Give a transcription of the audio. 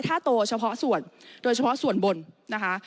ถ้าโตเฉพาะส่วนโดยเฉพาะส่วนบนนะคะ